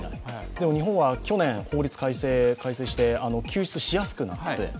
でも日本は去年、法律を改正して救出しやすくなった。